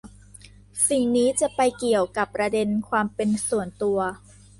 สิ่งนี้จะไปเกี่ยวกับประเด็นความเป็นส่วนตัว